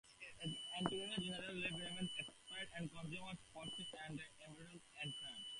As Attorney General, Lieberman emphasized consumer protection and environmental enforcement.